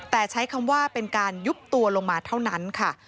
แต่ใช้คำว่าเป็นการยุบตัวลงมาเท่านั้นค่ะ